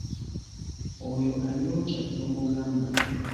Oyo abyokya tomugamba.